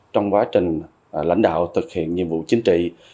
trong quá trình lãnh đạo thực hiện nhiệm vụ chính trị